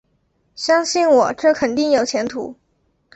相信我，这肯定有前途